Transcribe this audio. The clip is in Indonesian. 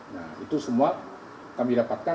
nah itu semua kami dapatkan